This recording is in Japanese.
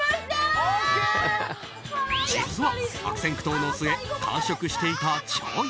実は、悪戦苦闘の末完食していたｃｈｏｙ。